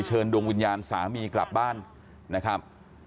เชิญดวงวิญญาณสามีกลับบ้านนะครับ